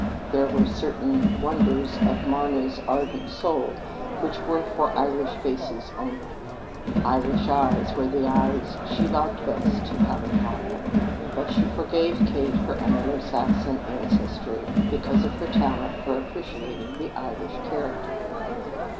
There were certain wonders of Marna's ardent soul which were for "Irish faces only" Irish eyes were the eyes she liked best to have upon her. But she forgave Kate her Anglo Saxon ancestry because of her talent for appreciating the Irish character.